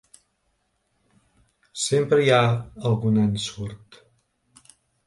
Sempre hi ha algun ensurt.